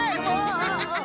アハハハハ。